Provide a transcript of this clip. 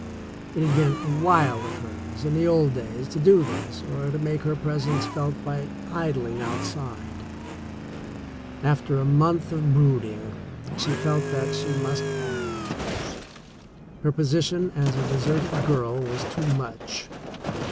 It had been a wile of hers in the old days to do this or to make her presence felt by idling outside. After a month of brooding, she felt that she must act — her position as a deserted girl was too much.